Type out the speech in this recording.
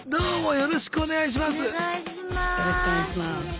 よろしくお願いします。